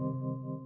terima kasih yoko